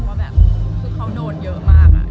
คือเขาโดนเยอะมาก